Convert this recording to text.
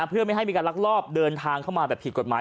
เพื่อไม่ให้มีการลักลอบเดินทางเข้ามาแบบผิดกฎหมาย